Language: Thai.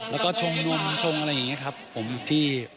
แล้วก็ชงนมชงอะไรอย่างนี้ครับผมที่